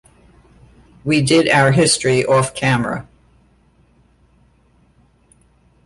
We did our history off-camera.